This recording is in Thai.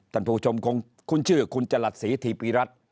ท่านผู้ชมคุณชื่อคุณจรัศน์ศรีถีปีรัส